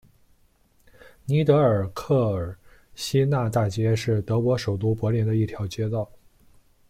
尼德尔克尔新纳大街是德国首都柏林的一条街道。